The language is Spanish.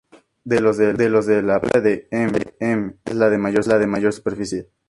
De los de la Prefectura de Ehime es la de mayor superficie.